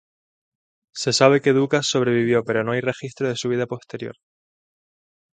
Se sabe que Ducas sobrevivió, pero no hay registro de su vida posterior.